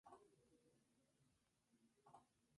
Está ubicado a orillas del río Paraná de las Palmas.